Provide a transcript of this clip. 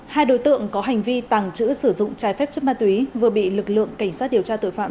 hai đối tượng có hành vi tàng trữ sử dụng trái phép chất ma túy vừa bị lực lượng cảnh sát điều tra tội phạm